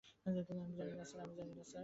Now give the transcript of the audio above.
আমি জানি না, স্যার।